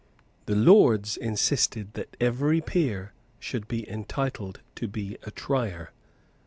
The Lords insisted that every peer should be entitled to be a Trier.